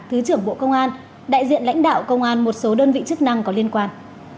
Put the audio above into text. thứ trưởng bộ công an đại diện lãnh đạo công an một số đơn vị chức năng có liên quan